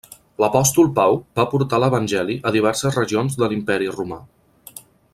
L'apòstol Pau va portar l'evangeli a diverses regions de l'imperi Romà.